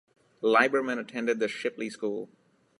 Lieberman attended The Shipley School.